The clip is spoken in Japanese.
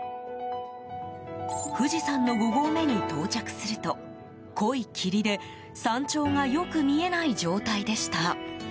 富士山の５合目に到着すると濃い霧で山頂がよく見えない状態でした。